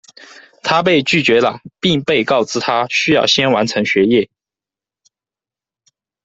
他被拒绝了，并被告知他需要先完成学业。